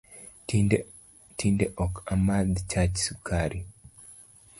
Tinde ok amadh chach sukari